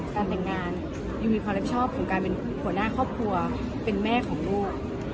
การแต่งงานยังมีความรับชอบของการเป็นหัวหน้าครอบครัวเป็นแม่ของลูก